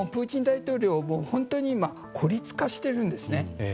プーチン大統領は本当に今孤立化しているんですね。